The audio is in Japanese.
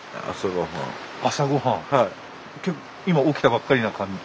今起きたばっかりな感じ？